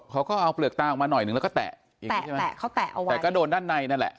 เขาก็เอาเปลือกตาออกมาหน่อยหนึ่งแล้วก็แตะอีกแตะเขาแตะเอาไว้แต่ก็โดนด้านในนั่นแหละ